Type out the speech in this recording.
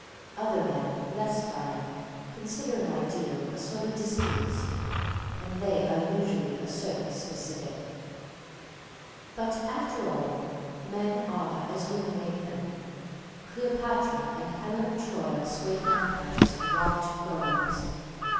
Other men, less fine, consider an ideal a sort of disease and they are usually a certain specific. But, after all, men are as women make them. Cleopatra and Helen of Troy swayed empires and rocked thrones.